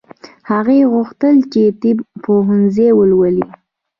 هغې غوښتل چې طب پوهنځی ولولي